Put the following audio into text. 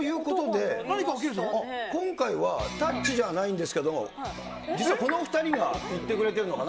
今回はたっちじゃないんですけど、実はこのお２人が行ってくれてるのかな。